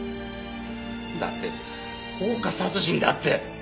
だって放火殺人だって！